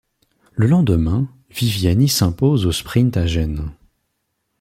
Le lendemain, Viviani s'impose au sprint à Gênes.